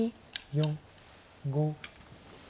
４５。